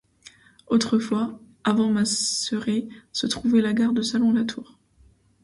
Autrefois, avant Masseret se trouvait la gare de Salon-la-Tour.